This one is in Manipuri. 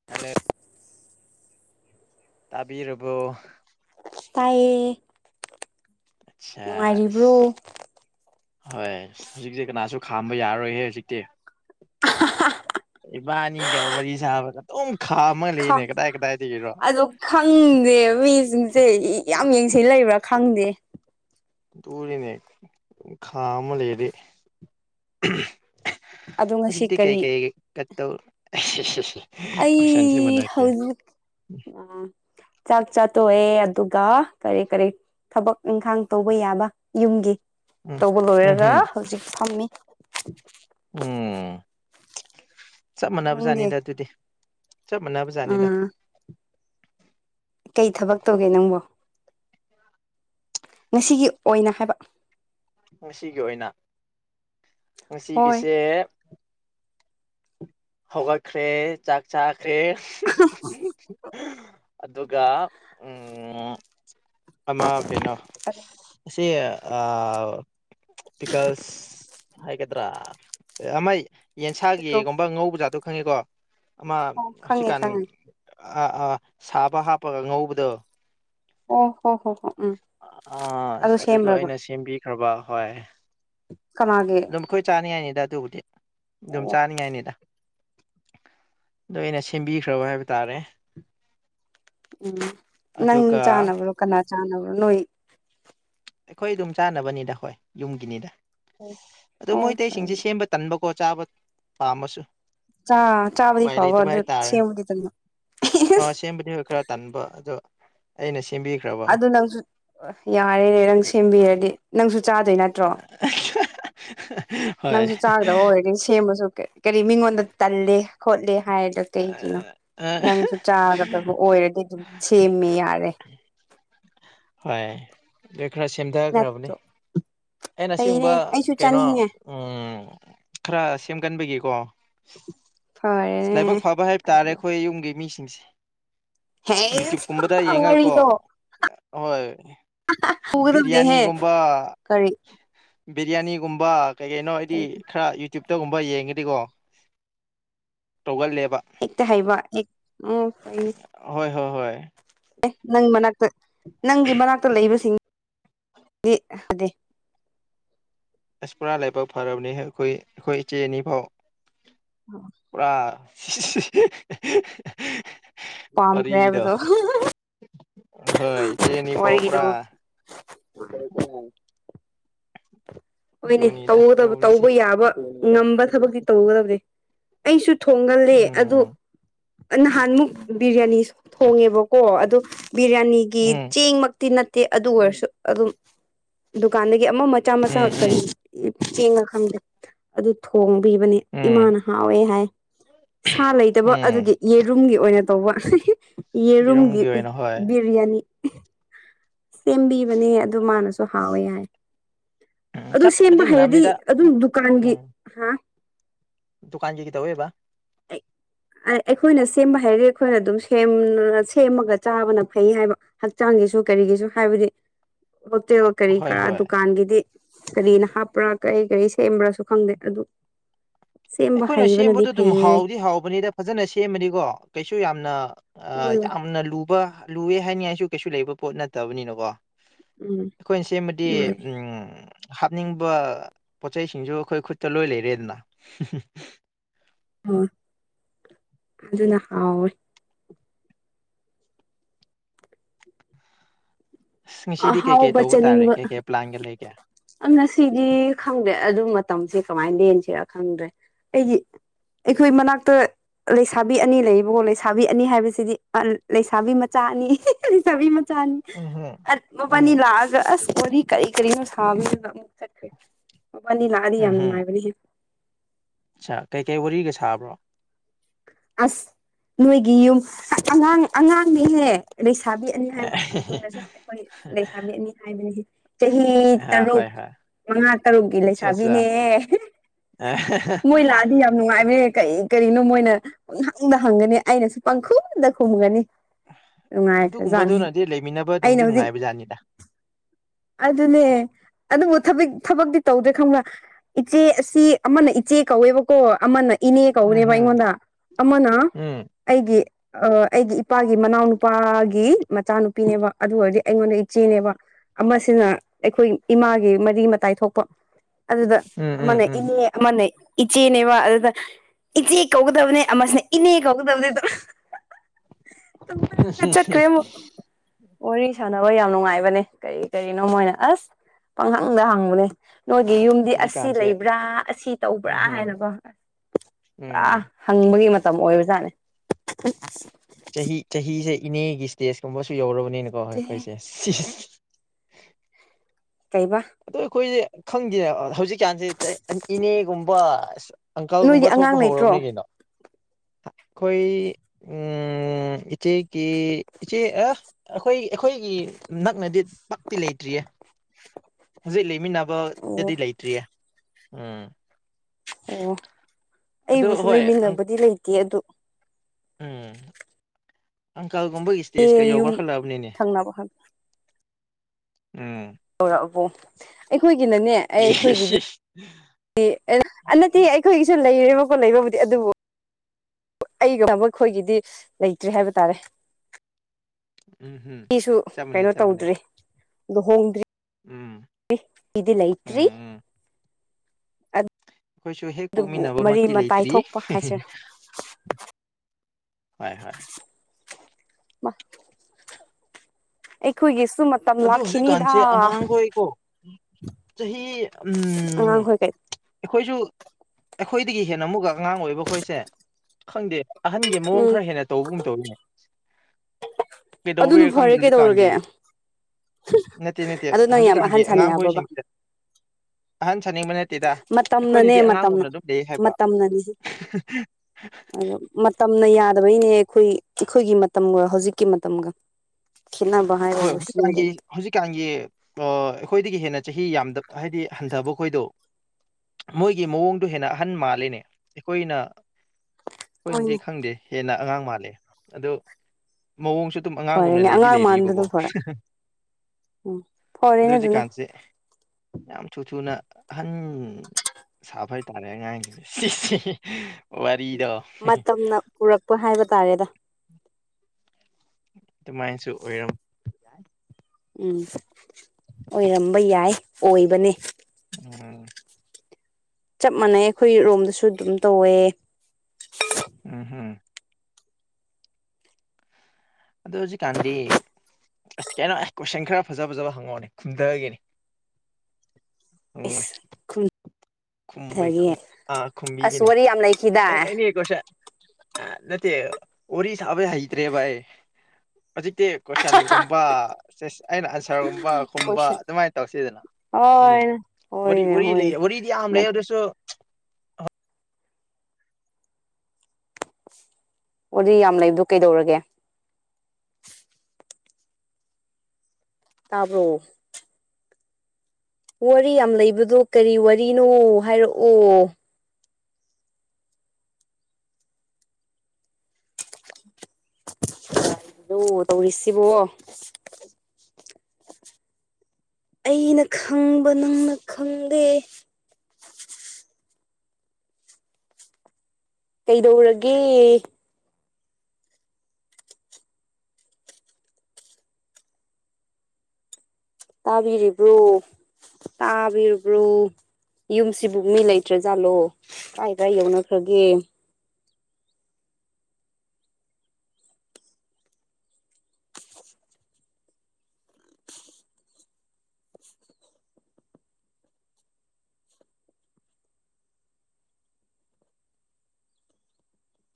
[unintelligible] ꯇꯥꯕꯤꯔꯕꯣ ꯇꯥꯌꯦ ꯑꯠꯁꯥ ꯅꯨꯡꯉꯥꯏꯔꯤꯕ꯭ꯔꯣ ꯑꯁ ꯍꯣꯏ ꯍꯧꯖꯤꯛꯁꯦ ꯀꯅꯥꯁꯨ ꯈꯥꯝꯕ ꯌꯥꯔꯔꯣꯏꯍꯦ ꯍꯧꯖꯤꯛꯇꯤ ꯏꯕꯥꯅꯤ ꯀꯌꯥ ꯋꯥꯔꯤ ꯁꯥꯕꯗ ꯗꯨꯝ ꯈꯥꯃꯜ ꯈꯥ ꯑꯗꯣ ꯈꯪꯗꯦ ꯃꯤꯁꯤꯡ ꯁꯦ ꯌꯥꯝ ꯌꯦꯡꯁꯤꯜ ꯂꯩꯕ꯭ꯔꯥ ꯈꯪꯗꯦ ꯇꯨꯔꯤꯅꯦ ꯈꯥ ꯑꯃ ꯂꯩꯔꯗꯤ ꯑꯗꯣ ꯉꯁꯤ ꯍꯧꯖꯤꯛꯇꯤ ꯀꯩ ꯀꯔꯤ ꯀꯩ ꯀꯇꯧ [unintelligible] ꯑꯩ ꯍꯧꯖꯤꯛ ꯑꯥ ꯆꯥꯛ ꯆꯥꯊꯣꯛꯑꯦ ꯑꯗꯨꯒ ꯀꯔꯤ ꯀꯔꯤ ꯊꯕꯛ ꯏꯪꯈꯥꯡ ꯇꯧꯕ ꯌꯥꯕ ꯌꯨꯝꯒꯤ ꯎꯝ ꯇꯧꯕ ꯂꯣꯏꯔꯒ ꯎꯝꯍꯨꯝ ꯍꯧꯖꯤꯛ ꯐꯝꯃꯤ ꯎꯝ ꯆꯞ ꯅꯪꯗꯤ ꯃꯥꯟꯅꯕꯖꯥꯠꯅꯤꯗ ꯑꯗꯨꯗꯤ ꯆꯞ ꯃꯥꯟꯅꯕꯖꯥꯠꯅꯤꯗ ꯎꯝ ꯀꯩ ꯊꯕꯛ ꯇꯧꯒꯦ ꯅꯪꯕꯣ ꯉꯁꯤꯒꯤ ꯑꯣꯏꯅ ꯍꯥꯏꯕ ꯉꯁꯤꯒꯤ ꯑꯣꯏꯅ ꯍꯣꯏ ꯉꯁꯤꯒꯤꯁꯦ ꯍꯧꯒꯠꯈ꯭ꯔꯦ ꯆꯥꯛ ꯆꯥꯈ꯭ꯔꯦ ꯑꯗꯨꯒ ꯎꯝ ꯑꯃ ꯀꯩꯅꯣ ꯑꯗꯣ ꯁꯤ ꯄꯤꯀꯜꯁ ꯍꯥꯏꯒꯗꯔꯥ ꯑꯃꯩ ꯄꯤꯀꯜꯁ ꯌꯦꯟꯁꯥꯒꯤꯒꯨꯝꯕ ꯉꯧꯕ ꯖꯥꯠꯇꯣ ꯈꯪꯉꯦꯀꯣ ꯑꯃ ꯈꯪꯉꯦ ꯍꯧꯖꯤꯛꯀꯥꯟ ꯈꯪꯉꯦ ꯑꯥ ꯑꯥ ꯁꯥꯕ ꯍꯥꯞꯄꯒ ꯉꯧꯕꯗꯣ ꯑꯣ ꯍꯣ ꯍꯣ ꯍꯣ ꯎꯝ ꯑ ꯑꯗꯨ ꯑꯗꯨꯗꯣ ꯁꯦꯝꯕ꯭ꯔꯕ ꯑꯩꯅ ꯁꯦꯝꯕꯤꯈ꯭ꯔꯕ ꯍꯣꯏ ꯀꯅꯥꯒꯤ ꯑꯗꯨꯝ ꯈꯣꯏ ꯆꯥꯅꯤꯡꯉꯥꯏꯅꯤꯗ ꯑꯗꯨꯕꯨꯗꯤ ꯑꯣ ꯑꯗꯨꯝ ꯆꯥꯅꯤꯡꯉꯥꯏꯅꯤꯗ ꯑꯗꯣ ꯑꯩꯅ ꯁꯦꯝꯕꯤꯈ꯭ꯔꯕ ꯍꯥꯏꯕ ꯇꯥꯔꯦ ꯎꯝ ꯅꯪ ꯑꯗꯨꯒ ꯆꯥꯅꯕ꯭ꯔꯣ ꯀꯅꯥ ꯆꯥꯅꯕ꯭ꯔꯣ ꯅꯣꯏ ꯑꯩꯈꯣꯏ ꯑꯗꯨꯝ ꯆꯥꯅꯕꯅꯤꯗ ꯍꯣꯏ ꯌꯨꯝꯒꯤꯅꯤꯗ ꯑꯗꯣ ꯑꯣ ꯃꯣꯏ ꯑꯇꯩꯁꯤꯡꯁꯦ ꯐꯔꯦꯅꯦ ꯁꯦꯝꯕ ꯇꯟꯕꯀꯣ ꯆꯥꯕ ꯄꯥꯝꯃꯁꯨ ꯆꯥ ꯆꯥꯕꯗꯤ ꯎꯄꯥꯏ ꯐꯕ ꯂꯩꯇꯕ ꯑꯗꯨ ꯍꯥꯏꯕ ꯇꯔꯦ ꯁꯦꯝꯕꯗꯤ ꯇꯟꯕ ꯑ ꯁꯦꯝꯕꯗꯦ ꯈꯔ ꯇꯟꯕ ꯑꯗꯣ ꯑꯩꯅ ꯁꯦꯝꯕꯤ ꯑꯗꯨ ꯅꯪꯁꯨ ꯌꯥꯔꯦꯔꯦ ꯅꯪ ꯁꯦꯝꯕꯤꯔꯗꯤ ꯅꯪꯁꯨ ꯆꯥꯗꯣꯏ ꯅꯠꯇ ꯅꯠꯇ꯭ꯔꯣ ꯍꯣꯏ ꯅꯪꯁꯨ ꯆꯥꯒꯗꯕ ꯑꯣꯏꯔꯗꯤ ꯁꯦꯝꯕꯁꯨ ꯀꯔꯤ ꯃꯤꯉꯣꯟꯗ ꯇꯜꯂꯦ ꯈꯣꯠꯂꯦ ꯍꯥꯏꯔꯗ ꯀꯩꯒꯤꯅꯣ ꯑꯥ ꯅꯪꯁꯨ ꯆꯥꯒꯗꯕ ꯑꯣꯏꯔꯗꯤ ꯑꯗꯨꯝ ꯁꯦꯝꯃꯦ ꯌꯥꯔꯦ ꯍꯣꯏ ꯑꯗꯨ ꯈꯔ ꯁꯦꯝꯊꯈ꯭ꯔꯕꯅꯦ ꯅꯠꯇ꯭ꯔꯣ ꯑꯩꯅ ꯐꯩꯅꯦ ꯁꯤꯒꯨꯝꯕ ꯑꯩꯁꯨ ꯀꯩꯅꯣ ꯆꯥꯅꯤꯡꯉꯦ ꯎꯝ ꯈꯔ ꯁꯦꯝꯒꯟꯕꯒꯤꯀꯣ ꯐꯔꯦꯅꯦ ꯂꯥꯏꯕꯛ ꯐꯕ ꯍꯥꯏꯕ ꯑꯗꯨ ꯇꯥꯔꯦ ꯑꯩꯈꯣꯏ ꯌꯨꯝꯒꯤ ꯃꯤꯁꯤꯡꯁꯦ ꯍꯦ ꯌꯨꯇ꯭ꯌꯨꯕ ꯀꯨꯝꯕꯗ ꯌꯦꯡꯉꯀꯣ ꯋꯥꯔꯤꯗꯣ ꯍꯣꯏ ꯄꯨꯒꯗꯕꯅꯦꯍꯦ ꯕꯤꯔꯌꯥꯅꯤꯒꯨꯝꯕ ꯀꯔꯤ ꯕꯤꯔꯌꯥꯅꯤꯒꯨꯝꯕ ꯀꯩ ꯀꯩꯅꯣ ꯑꯩꯗꯤ ꯐꯩ ꯈꯔ ꯌꯨꯇ꯭ꯌꯕꯇꯒꯨꯝꯕ ꯌꯦꯡꯒꯗꯤꯀꯣ ꯇꯧꯒꯜꯂꯦꯕ ꯍꯦꯛꯇ ꯍꯩꯕ ꯍꯦꯛ ꯎ ꯍꯣꯏ ꯍꯣꯏ ꯍꯣꯏ ꯑꯦ ꯅꯪ ꯃꯅꯥꯛꯇ ꯅꯪꯒꯤ ꯃꯅꯥꯛꯇ ꯂꯩꯕꯁꯤꯡ ꯏꯁꯄꯨꯔꯥ ꯂꯥꯏꯕꯛ ꯐꯔꯕꯅꯤ ꯑꯩꯈꯣꯏ ꯑꯩꯈꯣꯏ ꯏꯆꯦ ꯑꯅꯤ ꯐꯥꯎ ꯎꯝ ꯄꯨꯔꯥ ꯄꯥꯝꯈ꯭ꯔꯦ ꯋꯥꯔꯤꯗꯣ ꯍꯥꯏꯕꯗꯣ ꯍ ꯑꯣꯏꯔ ꯀꯂꯣ ꯍꯣꯏꯅꯦ ꯑꯗꯨꯅꯤꯗ ꯇꯧꯕ ꯇꯧꯔꯤꯁꯦ ꯇꯧꯕ ꯌꯥꯕ ꯉꯝꯕ ꯊꯕꯛꯇꯤ ꯇꯧꯒꯗꯕꯅꯦ ꯑꯩꯁꯨ ꯊꯣꯡꯒꯜꯂ ꯑꯗꯨ ꯎꯝ ꯅꯍꯥꯟꯃꯨꯛ ꯕꯤꯔꯌꯥꯅꯤ ꯊꯣꯡꯉꯦꯕꯀꯣ ꯑꯗꯨ ꯕꯤꯔꯌꯥꯅꯤꯒꯤ ꯎꯝ ꯆꯦꯡꯃꯛꯇꯤ ꯅꯠꯇꯦ ꯑꯗꯨ ꯑꯣꯏꯔꯁꯨ ꯑꯗꯨꯝ ꯗꯨꯀꯥꯟꯗꯒꯤ ꯑꯃ ꯃꯆꯥ ꯎꯝ ꯃꯆꯥ ꯍꯛꯄꯅꯤ ꯎꯝ ꯆꯦꯡꯒ ꯈꯪꯗꯦ ꯑꯗꯨ ꯊꯣꯡꯕꯤꯕꯅꯦ ꯎꯝ ꯏꯃꯥꯅ ꯍꯥꯎꯋꯦ ꯍꯥꯏ ꯁꯥ ꯂꯩꯇꯕ ꯎꯝ ꯑꯗꯨꯒꯤ ꯌꯦꯔꯨꯝꯒꯤ ꯑꯣꯏꯅ ꯇꯧꯕ ꯌꯦꯔꯝꯒꯤ ꯌꯦꯔꯨꯝꯒꯤ ꯑꯣꯏꯅ ꯍꯣꯏ ꯕꯤꯔꯌꯥꯅꯤ ꯁꯦꯝꯕꯤꯕꯅꯦ ꯑꯗꯨ ꯃꯥꯅꯁꯨ ꯍꯥꯎꯋꯦ ꯌꯥꯏ ꯎꯝ ꯑꯗꯨ ꯆꯞꯄꯨꯗꯤ ꯁꯦꯝꯕ ꯍꯩꯔꯗꯤ ꯃꯅꯝꯅꯤꯗ ꯑꯗꯨꯝ ꯗꯨꯀꯥꯟꯒꯤ ꯍꯥ ꯗꯨꯀꯥꯟ ꯆꯒꯤ ꯇꯧꯋꯦꯕꯕꯥ ꯑꯩꯈꯣꯏꯅ ꯁꯦꯝꯕ ꯍꯥꯏꯔꯦ ꯑꯩꯈꯣꯏꯅ ꯑꯗꯨꯝ ꯁꯦꯝꯃꯒ ꯆꯥꯕꯅ ꯐꯩ ꯍꯥꯏꯕ ꯍꯛꯆꯥꯡꯒꯤꯁꯨ ꯀꯔꯤꯒꯤꯁꯨ ꯍꯥꯏꯕꯗꯤ ꯍꯣꯇꯦꯜ ꯀꯔꯤ ꯍꯣꯏ ꯀꯔꯥ ꯍꯣꯏ ꯗꯨꯀꯥꯟꯒꯤꯗꯤ ꯀꯔꯤꯅ ꯍꯥꯞꯄ꯭ꯔꯥ ꯀꯔꯤ ꯀꯔꯤ ꯁꯦꯝꯕ꯭ꯔꯥꯁꯨ ꯈꯪꯗꯦ ꯑꯗꯨ ꯁꯦꯝꯕ ꯑꯩꯈꯣꯏꯅ ꯍꯩꯕꯅꯗꯤ ꯁꯦꯝꯕꯗ ꯑꯗꯨꯝ ꯐꯩꯌꯦ ꯍꯥꯎꯗꯤ ꯍꯥꯎꯕꯅꯤꯗ ꯐꯖꯅ ꯁꯦꯝꯃꯅꯤꯀꯣ ꯀꯩꯁꯨ ꯌꯥꯝꯅ ꯍꯣꯏ ꯌꯥꯝꯅ ꯂꯨꯕ ꯂꯨꯑꯦ ꯍꯥꯏꯅꯤꯉꯥꯏꯁꯨ ꯀꯩꯁꯨ ꯂꯩꯕ ꯄꯣꯠ ꯅꯠꯇꯕꯅꯤꯅꯀꯣ ꯎꯝ ꯑꯩꯈꯣꯏꯅ ꯁꯦꯝꯃꯗꯤ ꯃꯥꯅꯦ ꯍꯥꯞꯅꯤꯡꯕ ꯄꯣꯠꯆꯩꯁꯤꯡꯁꯨ ꯑꯩꯈꯣꯏ ꯈꯨꯠꯇ ꯂꯣꯏ ꯂꯩꯔꯦꯗꯅ ꯑꯣ ꯑꯗꯨꯅ ꯍꯥꯎ ꯑꯁ ꯉꯁꯤꯗꯤ ꯀꯩ ꯀꯩ ꯑꯍꯥꯎꯕ ꯇꯧꯕ ꯇꯥꯔꯦ ꯆꯥꯅꯤꯡꯕ ꯀꯩ ꯀꯩ ꯄ꯭ꯂꯥꯟꯒ ꯂꯩꯒꯦ ꯉꯁꯤꯗꯤ ꯈꯪꯗ꯭ꯔꯦ ꯑꯗꯨ ꯃꯇꯝꯁꯦ ꯀꯃꯥꯏꯅ ꯂꯦꯟꯁꯤ ꯈꯪꯗ꯭ꯔꯦ ꯑꯩꯒꯤ ꯑꯩꯈꯣꯏ ꯃꯅꯥꯛꯇ ꯂꯩꯁꯥꯕꯤ ꯑꯅꯤ ꯂꯩꯌꯦꯕꯀꯣ ꯂꯩꯁꯥꯕꯤ ꯑꯅꯤ ꯍꯥꯏꯕꯁꯤꯗꯤ ꯂꯩꯁꯥꯕꯤ ꯃꯆꯥ ꯑꯅꯤ ꯂꯩꯁꯥꯕꯤ ꯆ ꯎꯝ ꯑꯃꯄꯅꯤ ꯎꯝ ꯂꯥꯒ ꯑꯁ ꯑꯣꯅꯤ ꯀꯔꯤ ꯀꯔꯤ ꯁꯃꯤ ꯆꯠꯈ꯭ꯔꯦ ꯃꯕꯥꯅꯤ ꯂꯥꯛꯑꯗꯤ ꯌꯥꯝ ꯅꯨꯡꯉꯥꯏꯕꯅꯦꯍꯦ ꯑ ꯀꯩꯀꯩ ꯋꯥꯔꯤꯒ ꯁꯥꯕ꯭ꯔꯣ ꯑꯁ ꯅꯣꯏꯒꯤ ꯌꯨꯝ ꯑꯉꯥꯡ ꯑꯉꯥꯡꯅꯤꯍꯦ ꯂꯩꯁꯥꯕꯤ ꯑꯅꯤ ꯍꯥꯏꯕ ꯆꯨꯝꯅ ꯑ ꯁꯨꯝ ꯑꯩꯈꯣꯏ ꯂꯩꯁꯥꯕꯤ ꯑꯅꯤ ꯍꯥꯏꯕꯅꯤ ꯆꯍꯤ ꯍꯣꯏ ꯇꯔꯨꯛ ꯍꯣꯏ ꯃꯉꯥ ꯇꯔꯨꯛꯀꯤ ꯂꯩꯁꯥꯕꯤꯅꯦ ꯑ ꯃꯣꯏ ꯂꯥꯛꯑꯗꯤ ꯌꯥꯝ ꯅꯨꯡꯉꯥꯏꯅꯦ ꯀꯔꯤ ꯀꯔꯤꯅꯣ ꯃꯣꯏꯅ ꯄꯪꯍꯪꯗ ꯍꯪꯒꯅꯤ ꯑꯩꯅꯁꯨ ꯄꯪꯈꯨꯝꯗ ꯈꯨꯝꯒꯅꯤ ꯅꯨꯡꯉꯥꯏꯈ꯭ꯔꯖꯥꯠꯅꯤ ꯑꯗꯨꯒꯨꯝꯕꯗꯨꯅꯗꯤ ꯂꯩꯃꯤꯟꯅꯕ ꯑꯩꯅ ꯅꯨꯡꯗꯤ ꯍꯧꯖꯤꯛ ꯅꯨꯡꯉꯥꯏꯕꯖꯥꯠꯅꯤꯗ ꯑꯗꯨꯅꯦ ꯑꯗꯨꯕꯨ ꯊ ꯊꯕꯛꯇꯤ ꯇꯧꯗꯦ ꯈꯪꯕ꯭ꯔꯥ ꯏꯆꯦ ꯑꯁꯤ ꯑꯃꯅ ꯏꯆꯦ ꯀꯧꯋꯦꯕꯀꯣ ꯑꯃꯅ ꯏꯅꯦ ꯎꯝ ꯀꯧꯅꯦꯕ ꯍꯝ ꯑꯩꯉꯣꯟꯗ ꯑꯃꯅ ꯎꯝ ꯑꯩꯒꯤ ꯑ ꯑꯩꯒꯤ ꯏꯄꯥꯒꯤ ꯃꯅꯥꯎꯅꯨꯄꯥꯒꯤ ꯃꯆꯥꯅꯨꯄꯤꯅꯦꯕ ꯑꯗꯨ ꯑꯣꯏꯔꯗꯤ ꯑꯩꯉꯣꯟꯗ ꯏꯆꯦꯅꯦꯕ ꯑꯃꯁꯤꯅ ꯑꯩꯈꯣꯏ ꯏꯃꯥꯒꯤ ꯃꯔꯤ ꯃꯇꯥꯏ ꯊꯣꯛꯄ ꯑꯗꯨꯗ ꯎꯝ ꯎꯝ ꯑꯃꯅ ꯎꯝ ꯏꯅꯦ ꯑꯃꯅ ꯏꯆꯦꯅꯦꯕ ꯑꯗꯨꯗ ꯏꯆꯦ ꯀꯧꯒꯗꯕꯅꯦ ꯑꯃꯁꯤꯅ ꯏꯅꯦ ꯀꯧꯒꯗꯕꯅꯦ ꯆꯠꯈ꯭ꯔꯦ ꯑꯃꯨꯛ ꯋꯥꯔꯤ ꯁꯥꯟꯅꯕ ꯌꯥꯝ ꯅꯨꯡꯉꯥꯏꯕꯅꯦ ꯀꯔꯤ ꯀꯔꯤꯅꯣ ꯃꯣꯏꯅ ꯑꯁ ꯄꯪꯈꯪꯗ ꯍꯪꯕꯅꯦ ꯅꯣꯏꯒꯤ ꯌꯨꯝꯗꯤ ꯑꯁꯤ ꯍꯧꯖꯤꯛꯀꯥꯟꯁꯦ ꯂꯩꯕ꯭ꯔꯥ ꯑꯁꯤ ꯇꯧꯕ꯭ꯔꯥ ꯎꯝ ꯍꯝ ꯍꯥꯢꯅꯒꯣ ꯄꯨꯔꯥ ꯎꯝ ꯍꯪꯕꯒꯤ ꯃꯇꯝ ꯑꯣꯏꯕꯖꯥꯠꯅꯦ ꯆꯍꯤ ꯆꯍꯤꯁꯦ ꯏꯅꯦꯒꯤ ꯏꯁꯇꯦꯖ ꯀꯨꯝꯕꯁꯨ ꯌꯧꯔꯕꯅꯤꯅꯀꯣ ꯑꯩꯈꯣꯏꯁꯦ ꯀꯩꯕ ꯑꯗꯣ ꯑꯩꯈꯣꯏꯗꯤ ꯈꯪꯗꯦ ꯍꯧꯖꯤꯛꯀꯥꯟꯁꯦ ꯑꯥꯟꯇꯤ ꯅꯦꯒꯨꯝꯕ ꯅꯣꯏꯗꯤ ꯑꯪꯀꯜꯒꯨꯝꯕ ꯊꯣꯛꯄ ꯑꯉꯥꯡ ꯂꯩꯇ꯭ꯔꯣ ꯍꯧꯔꯕꯅꯤ ꯀꯩꯅꯣ ꯑꯩꯈꯣꯏ ꯎꯝ ꯏꯆꯦ ꯀꯤ ꯏꯆꯦ ꯑꯥ ꯑꯩꯈꯣꯏ ꯑꯩꯈꯣꯏꯒꯤ ꯅꯛꯅꯗꯤ ꯄꯛꯇꯤ ꯂꯩꯇ꯭ꯔꯤꯌꯦ ꯍꯧꯖꯤꯛ ꯑꯣ ꯂꯩꯃꯤꯟꯅꯕꯗꯗꯤ ꯂꯩꯇ꯭ꯔꯤꯌꯦ ꯎꯝ ꯑꯣ ꯑꯗꯨ ꯑꯩꯕꯨꯁꯨ ꯍꯣꯏ ꯂꯩꯃꯤꯟꯅꯕꯗꯤ ꯂꯩꯇꯦ ꯑꯗꯨ ꯎꯝ ꯑꯪꯀꯜꯒꯨꯝꯕꯒꯤ ꯑꯦ ꯏꯁꯇꯦꯖꯀ ꯌꯨꯝ ꯌꯧꯈꯠ ꯍꯜꯂꯛꯑꯕꯅꯤꯅꯦ ꯊꯪꯅꯕ ꯈꯛ ꯎꯝ ꯌꯧꯔꯛꯑꯕꯣ ꯑꯩꯈꯣꯏꯒꯤꯅꯅꯦ ꯑꯩ ꯑꯩꯈꯣꯏꯒꯤꯗꯤ ꯅꯠꯇꯦ ꯑꯩꯈꯣꯏꯒꯤꯁꯨ ꯂꯩꯔꯦꯕꯀꯣ ꯂꯩꯕꯕꯨꯗꯤ ꯑꯗꯨꯕꯨ ꯑꯩꯒ ꯊꯕ ꯑꯩꯈꯣꯏꯒꯤꯗꯤ ꯂꯩꯇ꯭꯭ꯔꯦ ꯍꯥꯏꯕ ꯇꯥꯔꯦ ꯎꯝ ꯍꯨꯝ ꯑꯩꯁꯨ ꯀꯩꯅꯣ ꯇꯧꯗ꯭ꯔꯤ ꯂꯨꯍꯣꯡꯗ꯭ꯔꯤ ꯎꯝ ꯏ ꯒꯤꯗꯤ ꯎꯝ ꯂꯩꯇꯔꯤ ꯎꯝ ꯑꯩꯈꯣꯏꯁꯨ ꯍꯦꯛ ꯑꯗꯨꯕꯨ ꯃꯔꯤ ꯄꯣꯛꯃꯤꯟꯅꯕꯃꯛꯇꯤ ꯃꯇꯥꯏ ꯂꯩꯇ꯭ꯔꯤ ꯊꯣꯛꯄ ꯍꯥꯏꯁꯤꯔ ꯍꯣꯏ ꯍꯣꯏ [inaudible] ꯑꯩꯈꯣꯏꯒꯤꯁꯨ ꯃꯇꯝ ꯑꯗꯣ ꯂꯥꯛꯈꯤꯅꯤꯗ ꯍꯧꯖꯤꯛꯀꯥꯟꯁꯦ ꯑꯉꯥꯡꯈꯣꯏꯀꯣ ꯆꯍꯤ ꯎ ꯑꯉꯥꯡꯈꯣꯏ ꯀꯩ ꯑꯩꯈꯣꯏꯁꯨ ꯑꯩꯈꯣꯏꯗꯒꯤ ꯍꯦꯟꯅ ꯑꯃꯨꯛꯀ ꯑꯉꯥꯡ ꯑꯣꯏꯕ ꯑꯩꯈꯣꯏꯁꯦ ꯈꯪꯗꯦ ꯑꯍꯟꯒꯤ ꯃꯑꯣꯡ ꯎꯝ ꯈꯔ ꯍꯦꯟꯅ ꯇꯧꯕꯒꯨꯝ ꯇꯧꯔꯤꯅꯦ ꯑꯗꯨꯅ ꯀꯩꯗꯧꯕꯩꯔ ꯈꯪꯗꯦ ꯐꯔꯦ ꯍꯧꯖꯤꯛꯀꯥꯟꯒꯤ ꯀꯩꯗꯧꯔꯒꯦ ꯅꯠꯇꯦ ꯅꯠꯇꯦ ꯑꯗꯨ ꯅꯪ ꯌꯥꯝ ꯑꯍꯟ ꯍꯧꯖꯤꯛꯀꯥꯟꯒꯤ ꯁꯥꯟꯅꯩꯕ꯭ꯔꯕ ꯑꯉꯥꯡꯈꯣꯏꯁꯤꯡꯁꯦ ꯑꯍꯟ ꯁꯥꯅꯤꯡꯕ ꯅꯠꯇꯦ ꯇꯦꯗ ꯑꯩꯈꯣꯏꯅꯗꯤ ꯃꯇꯝꯅꯅꯦ ꯃꯇꯝꯅ ꯑꯉꯥꯡꯒꯨꯝꯅ ꯑꯗꯨꯝ ꯂꯩ ꯍꯥꯏꯕ ꯃꯇꯝꯅꯅꯤ ꯑꯗꯣ ꯃꯇꯝꯅ ꯌꯥꯗꯕꯩꯅꯦ ꯑꯩꯈꯣꯏ ꯑꯩꯈꯣꯏꯒꯤ ꯃꯇꯝꯒ ꯍꯧꯖꯤꯛꯀꯤ ꯃꯇꯝꯒ ꯈꯦꯅꯕꯍꯥ ꯍꯣꯏ ꯍꯧꯖꯤꯛꯒꯥꯟꯒꯤ ꯍꯧꯖꯤꯛꯀꯥꯟꯒꯤ ꯑꯩꯈꯣꯏꯗꯒꯤ ꯍꯦꯟꯅ ꯆꯍꯤ ꯌꯥꯝꯗꯕ ꯍꯥꯏꯗꯤ ꯍꯟꯊꯕ ꯈꯣꯏꯗꯣ ꯃꯣꯏꯒꯤ ꯃꯑꯣꯡꯗꯣ ꯍꯦꯟꯅ ꯑꯍꯟ ꯃꯥꯜꯂꯤꯅꯦ ꯑꯩꯈꯣꯏꯅ ꯍꯣꯏꯅꯗꯤ ꯍꯣꯏꯅꯦ ꯈꯪꯗꯦ ꯍꯦꯟꯅ ꯑꯉꯥꯡ ꯃꯥꯜꯂꯦ ꯑꯗꯣ ꯃꯑꯣꯡꯁꯨ ꯑꯗꯨꯝ ꯑꯉꯥꯡꯒꯨꯝꯅ ꯐꯔꯦꯅꯦ ꯂꯩꯗꯤ ꯑꯉꯥꯡ ꯂꯩꯔꯤ ꯃꯥꯟꯕꯗꯣ ꯀꯣ ꯐꯔꯦ ꯎꯝ ꯑꯗꯨꯗ ꯐꯔꯦꯅꯦ ꯑꯗꯨꯅ ꯍꯧꯖꯤꯛꯀꯥꯟꯁꯦ ꯌꯥꯝ ꯊꯨ ꯊꯨꯅ ꯑꯍꯟ ꯁꯥꯕ ꯍꯥꯢ ꯇꯥꯔꯦ ꯑꯉꯥꯡꯁꯤꯡꯁꯦ ꯋꯥꯔꯤꯗꯣ ꯃꯇꯝꯅ ꯄꯨꯔꯛꯄ ꯍꯥꯏꯕ ꯇꯥꯔꯦꯗ ꯑꯗꯨꯃꯥꯏꯅꯁꯨ ꯑꯣꯏꯔꯝ ꯎꯝ ꯑꯣꯏꯔꯝꯕ ꯌꯥꯏ ꯑꯣꯏꯕꯅꯦ ꯎꯝ ꯆꯞ ꯃꯥꯟꯅꯩ ꯑꯩꯈꯣꯏ ꯔꯣꯝꯗꯁꯨ ꯑꯗꯨꯝ ꯇꯧꯋꯦ ꯎꯝ ꯍꯝ ꯑꯗꯣ ꯍꯧꯖꯤꯛꯀꯥꯟꯗꯤ ꯑꯁ ꯀꯩꯅꯣ ꯑꯦ ꯀꯣꯏꯁꯟ ꯈꯔ ꯐꯖ ꯐꯖꯕ ꯍꯪꯉꯛꯅꯦ ꯈꯨꯝꯊꯒꯤꯅꯤ ꯎ ꯏꯁ ꯈꯨꯝꯕꯩ ꯈꯨꯝꯊꯒꯦ ꯑꯥ ꯑꯁ ꯈꯨꯝꯕꯤꯒꯤꯅꯦ ꯋꯥꯔꯤ ꯌꯥꯝ ꯂꯩꯈꯤꯗ ꯑꯦꯅꯦꯀꯣꯁꯦ ꯑ ꯅꯠꯇꯦ ꯑꯣꯔꯤꯁꯕ ꯍꯩꯇ꯭ꯔꯦ ꯚꯥꯏ ꯍꯧꯖꯤꯛꯇꯤ ꯀꯣꯏꯁꯟꯒꯨꯝꯕ ꯑꯩꯅ ꯑꯟꯁꯔꯒꯨꯝꯕ ꯈꯨꯝꯕ ꯀꯣꯏꯁꯟ ꯑꯗꯨꯃꯥꯏꯅ ꯇꯧꯔꯁꯤꯗꯅ ꯎꯝ ꯍꯣꯏꯅꯦ ꯍꯣꯏꯅꯦ ꯍꯣꯏꯅꯦ ꯂꯩ ꯋꯥꯔꯤꯗꯤ ꯌꯥꯝ ꯂꯩ ꯅꯠꯇꯦ ꯑꯗꯨꯁꯨ ꯑꯣꯗꯤ ꯌꯥꯝ ꯂꯩꯕꯗ ꯀꯩꯗꯧꯔꯒꯦ ꯇꯥꯕ꯭ꯔꯣ ꯋꯥꯔꯤ ꯌꯥꯝ ꯂꯩꯕꯗꯣ ꯀꯔꯤ ꯋꯥꯔꯤꯅꯣ ꯍꯥꯏꯔꯛꯑꯣ ꯑꯗꯨꯣ ꯇꯧꯔꯤꯁꯤꯕꯣꯣ ꯑꯩꯅ ꯈꯪꯕ ꯅꯪꯅ ꯈꯪꯗꯦ ꯀꯩꯗꯧꯔꯒꯦ ꯇꯥꯕꯤꯔꯤꯕ꯭ꯔꯣ ꯇꯥꯕꯤꯔꯤꯕ꯭ꯔꯣ ꯌꯨꯝꯁꯤꯕꯨ ꯃꯤ ꯂꯩꯇ꯭ꯔ ꯖꯥꯠꯂꯣ ꯀꯗꯥꯥꯏ ꯀꯗꯥꯥꯏ ꯌꯧꯅꯈ꯭ꯔꯒꯦ